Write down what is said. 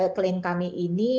keling kami ini